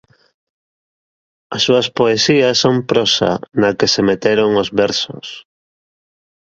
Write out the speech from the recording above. As súas poesías son prosa na que se meteron os versos.